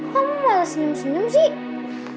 kamu malah seneng seneng sih